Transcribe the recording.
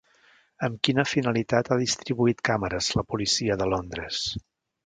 Amb quina finalitat ha distribuït càmeres la policia de Londres?